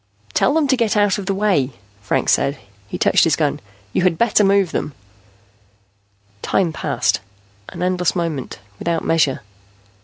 "Tell them to get out of the way," Franks said. He touched his gun. "You had better move them." Time passed, an endless moment, without measure.